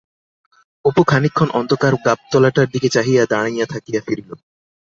অপু খানিকক্ষণ অন্ধকার গাবতলাটার দিকে চাহিয়া দাঁড়াইয়া থাকিয়া ফিরিল।